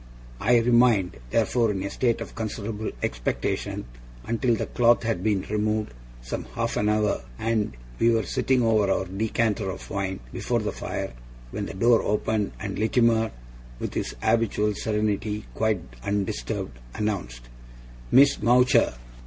I remained, therefore, in a state of considerable expectation until the cloth had been removed some half an hour, and we were sitting over our decanter of wine before the fire, when the door opened, and Littimer, with his habitual serenity quite undisturbed, announced: 'Miss Mowcher!